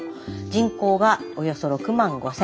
人口はおよそ６万５，０００。